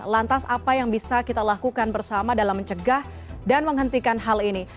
lantas apa yang bisa kita lakukan bersama dalam mencegah dan menghentikan hal ini